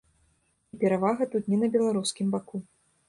І перавага тут не на беларускім баку.